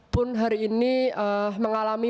pun hari ini mengalami